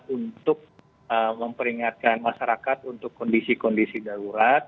untuk memperingatkan masyarakat untuk kondisi kondisi darurat